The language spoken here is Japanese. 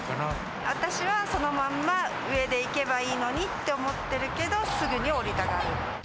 私はそのまんま、上で行けばいいのにって思ってるけど、すぐに降りたがる。